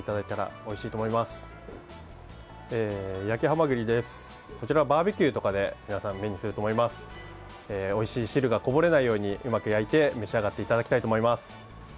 おいしい汁がこぼれないようにうまく焼いて召し上がっていただきたいと思います。